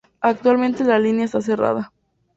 Actualmente la línea está cerrada.